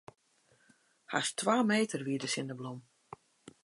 Hast twa meter wie de sinneblom.